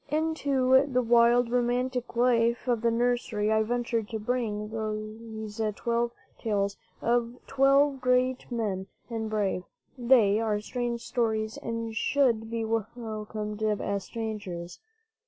Into the wild, romantic life of the nursery I venture to bring these twelve tales of twelve great men and brave. They are strange stories, and should be welcomed as strangers.